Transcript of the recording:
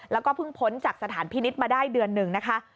แล้วก็เพิ่งพ้นจากสถานพินิษฐ์มาได้เดือนหนึ่งนะคะ